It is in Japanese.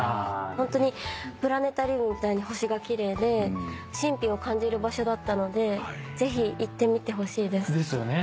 ホントにプラネタリウムみたいに星が奇麗で神秘を感じる場所だったのでぜひ行ってみてほしいです。ですよね？